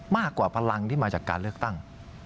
มากกว่าพลังที่มาจากการเลือกตั้ง